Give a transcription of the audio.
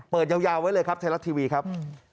ยาวไว้เลยครับไทยรัฐทีวีครับ